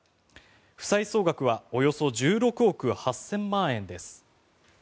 負債総額はおよそ１６億８０００万円です。